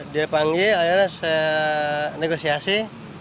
dia panggil akhirnya saya negosiasi